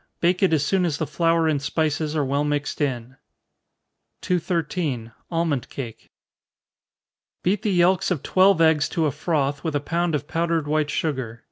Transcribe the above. Bake it as soon as the flour and spices are well mixed in. 213. Almond Cake. Beat the yelks of twelve eggs to a froth, with a pound of powdered white sugar.